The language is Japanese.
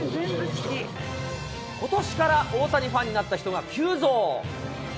ことしから大谷ファンになった人が急増。